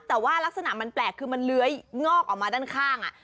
แต่ว่ารักษณะมันแปลกคือมันเลื้อยงอกออกมาด้านข้าง